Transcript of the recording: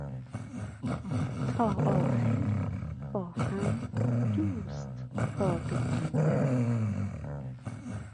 تا آخر با هم دوست باقی ماندند.